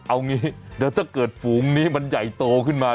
เอางี้เดี๋ยวถ้าเกิดฝูงนี้มันใหญ่โตขึ้นมา